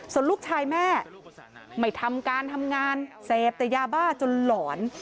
ส่วนลูกชายแม่ไม่ทำการทำงานเสพแต่ยาบ้าจนหลอน